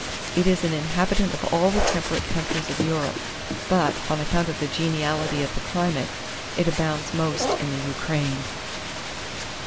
It is an inhabitant of all the temperate countries of Europe, but, on account of the geniality of the climate, it abounds most in the Ukraine.